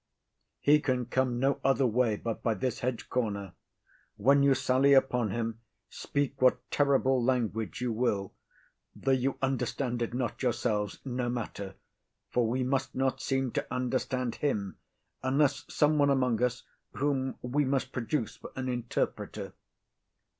He can come no other way but by this hedge corner. When you sally upon him, speak what terrible language you will; though you understand it not yourselves, no matter; for we must not seem to understand him, unless someone among us, whom we must produce for an interpreter.